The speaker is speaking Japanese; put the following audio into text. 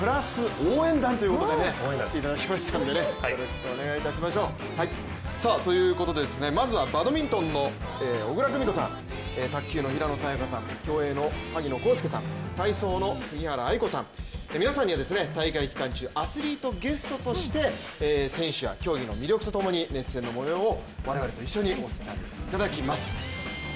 応援団ということで来ていただきましたので、よろしくお願いしましょう。ということで、まずはバドミントンの小椋久美子さん、卓球の平野早矢香さん競泳の萩野公介さん、体操の杉原愛子さん、皆さんには大会期間中アスリートゲストとして、選手や競技の魅力とともに熱戦のもようを我々と一緒にお伝えいただきます。